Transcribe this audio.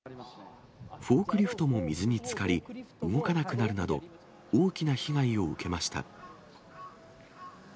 フォークリフトも水につかり、動かなくなるなど、大きな被害を受けました。